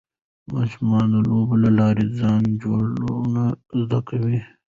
ماشومان د لوبو له لارې ځان جوړونه زده کوي.